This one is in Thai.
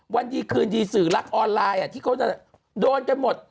วันดีคืนดีสื่อรักออนไลน์ที่เขาจะโดนกันหมด